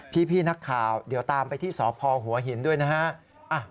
พี่นักข่าวเดี๋ยวตามไปที่สพหัวหินด้วยนะฮะ